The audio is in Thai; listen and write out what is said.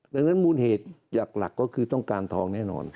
ดังนั้นมูลเหตุหลักก็คือต้องการทองแน่นอน